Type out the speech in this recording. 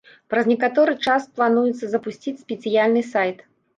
Праз некаторы час плануецца запусціць спецыяльны сайт.